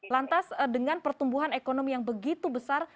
lantas dengan pertumbuhan ekonomi yang begitu besar